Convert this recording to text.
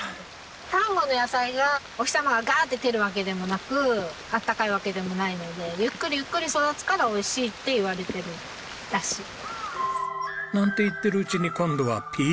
丹後の野菜はお日様がガーッて照るわけでもなくあったかいわけでもないのでゆっくりゆっくり育つから美味しいって言われてるらしい。なんて言ってるうちに今度はピーカンです。